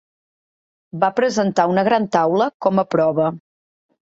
Va presentar una gran taula com a prova.